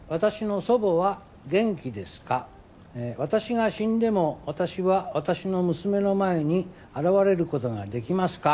「私が死んでも私は私の娘の前に現れる事ができますか？」